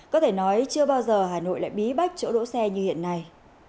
có thể nói chưa bao giờ hà nội lại bí bách chỗ đỗ xe như hiện nay